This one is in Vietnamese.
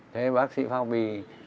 thế bác sĩ phong bì